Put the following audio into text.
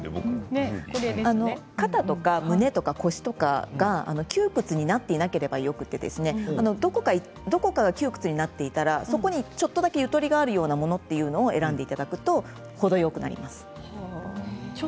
肩とか胸とか腰とかが窮屈になっていなければよくてどこかが窮屈になっていたらそこにちょっとだけゆとりがあるようなものを選んでいただくと程よくなります。